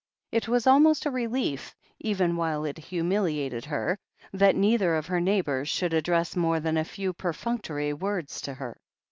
It was almost a relief, even while it humiliated her, that neither of her neighbours should address more than a few perfunctory words to her.